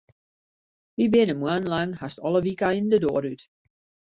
Wy binne moannen lang hast alle wykeinen de doar út.